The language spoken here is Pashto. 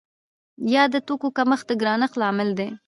یا د توکو کمښت د ګرانښت لامل دی؟